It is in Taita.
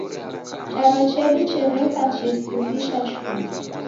Charo chedu chereka chesirisha shuu.